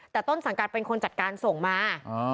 แต่ต้นสังกัดเป็นคนจัดการส่งมา